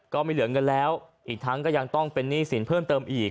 ไม่เหลือเงินแล้วอีกทั้งก็ยังต้องเป็นหนี้สินเพิ่มเติมอีก